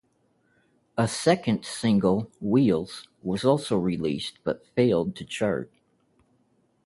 A second single, "Wheels", was also released but failed to chart.